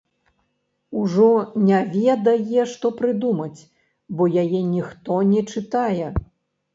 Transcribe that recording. Ужо не ведае, што прыдумаць, бо яе ніхто не чытае.